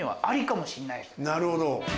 なるほど。